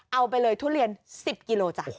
เอาไปเลยทุเรียน๑๐กิโลจ้ะ